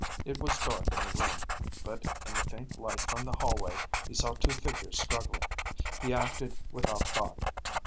It was dark in the room, but in the faint light from the hallway he saw two figures struggling. He acted without thought.